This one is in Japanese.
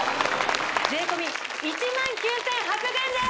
税込１９８００円です